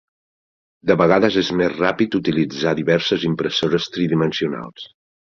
De vegades és més ràpid utilitzar diverses impressores tridimensionals.